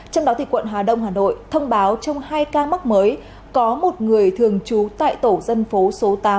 trong đó quận hà đông hà nội thông báo trong hai ca mắc mới có một người thường trú tại tổ dân phố số tám